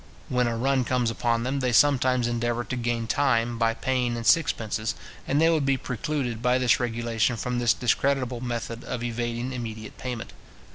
When a run comes upon them, they sometimes endeavour to gain time, by paying in sixpences, and they would be precluded by this regulation from this discreditable method of evading immediate payment.